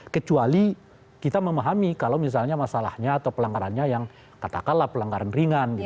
kecuali kita memahami kalau misalnya masalahnya atau pelanggarannya yang katakanlah pelanggaran ringan